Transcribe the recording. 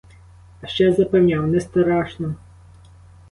А ще запевняв: не страшно.